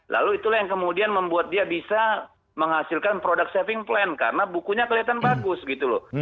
lalu itulah yang kemudian membuat dia bisa menghasilkan produk saving plan karena bukunya kelihatan bagus gitu loh